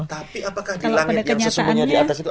tapi apakah di langit yang sesungguhnya di atas itu